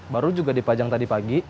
baru juga dipajang tadi pagi